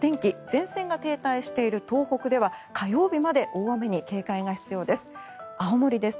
前線が停滞している東北では火曜日まで大雨に警戒が必要です。